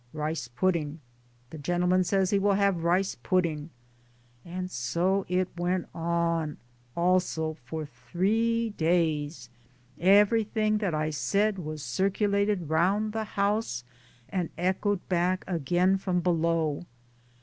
" Rice pudding." " The gentleman says he will have rice pudding." And so it went on, also for three days, everything that I said was circulated round the house and echoed back again from below